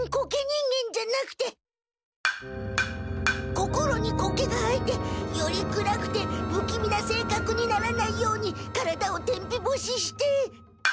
心にコケが生えてより暗くてぶきみなせいかくにならないように体を天日干しして。